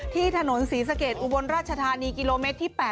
ที่ถนนศรีสะเกดอุบลราชธานีกิโลเมตรที่๘